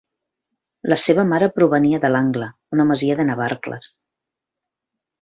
La seva mare provenia de l'Angla, una masia de Navarcles.